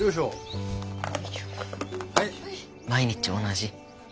毎日同じ。